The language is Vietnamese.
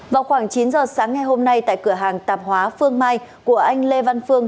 vào khoảng chín giờ sáng ngày hôm nay tại cửa hàng tạp hóa phương mai của anh lê văn phương